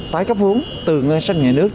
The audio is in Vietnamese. tái cấp vốn từ ngân sách nhà nước